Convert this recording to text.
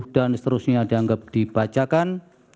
dan seterusnya dianggap dibacakan